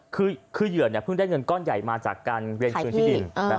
คือเหยื่อเพิ่งได้เงินก้อนใหญ่มาจากการเวียนคืนที่ดิน